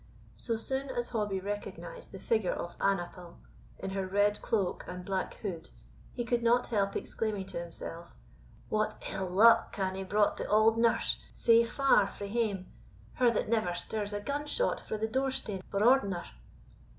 So soon as Hobbie recognised the figure of Annaple, in her red cloak and black hood, he could not help exclaiming to himself, "What ill luck can hae brought the auld nurse sae far frae hame, her that never stirs a gun shot frae the door stane for ordinar?